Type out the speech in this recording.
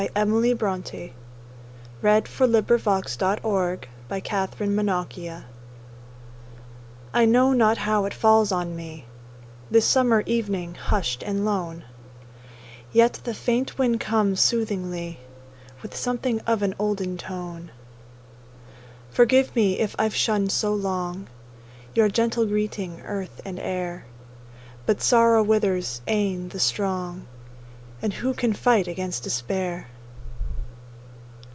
Q R . S T . U V . W X . Y Z I Know Not How It Falls on Me I KNOW not how it falls on me, This summer evening, hushed and lone; Yet the faint wind comes soothingly With something of an olden tone. Forgive me if I've shunned so long Your gentle greeting, earth and air! But sorrow withers e'en the strong, And who can fight against despair?